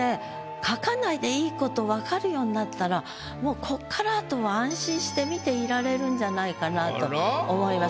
書かないでいいことわかるようになったらもうこっから後は安心して見ていられるんじゃないかなと思います。